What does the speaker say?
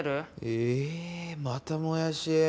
ええまたもやし？